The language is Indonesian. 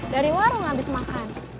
dari warung habis makan